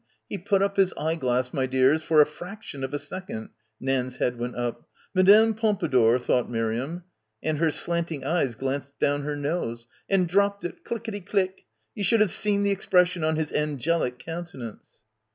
He put up his eyeglass, my dears, for a fraction of a second," Nan's head went up — "Madame Pompadour" thought Miriam — and her slant ing eyes glanced down her nose, "and dropped it, clickety click. You sh'd've seen the expression on his angelic countenance."